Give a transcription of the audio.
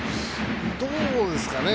どうですかね。